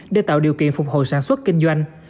để tạo điều kiện phục hồi sản xuất kinh doanh